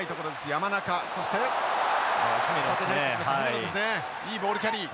山中そして姫野ですねいいボールキャリー。